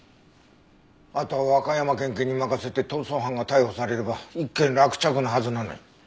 あとは和歌山県警に任せて逃走犯が逮捕されれば一件落着のはずなのに。